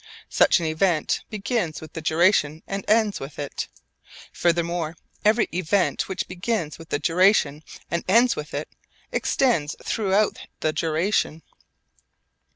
Such an event begins with the duration and ends with it. Furthermore every event which begins with the duration and ends with it, extends throughout the duration.